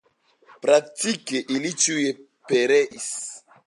Praktike ili ĉiuj pereis.